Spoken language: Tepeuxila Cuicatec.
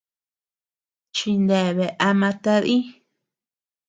Chineabea ama tadï.